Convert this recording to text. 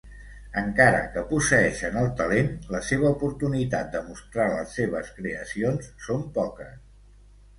Encara que posseeixen el talent, la seva oportunitat de mostrar les seves creacions són poques.